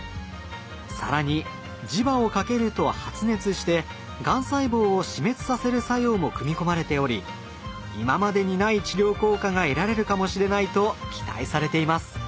更に磁場をかけると発熱してがん細胞を死滅させる作用も組み込まれており今までにない治療効果が得られるかもしれないと期待されています。